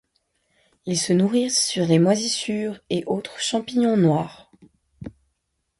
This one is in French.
Ils se nourrissent sur les moisissures et autres champignons noirs.